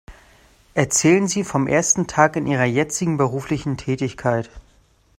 Erzählen Sie vom ersten Tag in ihrer jetzigen beruflichen Tätigkeit.